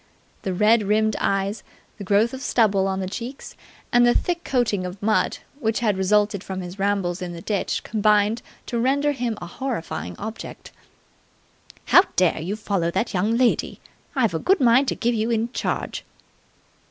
The red rimmed eyes, the growth of stubble on the cheeks, and the thick coating of mud which had resulted from his rambles in the ditch combined to render him a horrifying object. "How dare you follow that young lady? I've a good mind to give you in charge!"